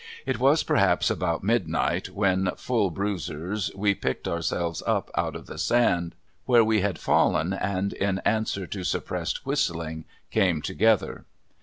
It was perhaps about midnight when, full bruisers, we picked ourselves up out of the sand where we had fallen and in answer to suppressed whistling came together.